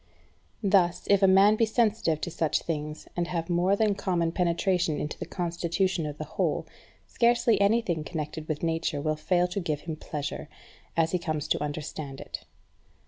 Thus, if a man be sensitive to such things, and have a more than common penetration into the constitution of the whole, scarce anything connected with Nature will fail to give him pleasure, as he comes to understand it.